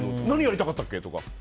何やりたかったっけ？とか。